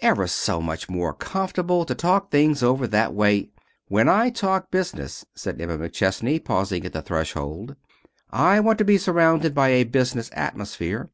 Ever so much more comfortable to talk things over that way " "When I talk business," said Emma McChesney, pausing at the threshold, "I want to be surrounded by a business atmosphere.